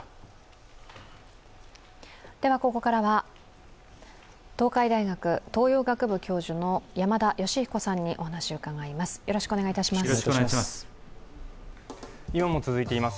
ここからは東海大学海洋学部教授の山田吉彦さんにお話を伺います。